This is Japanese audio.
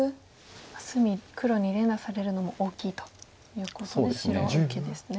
隅黒に連打されるのも大きいということで白は受けですね。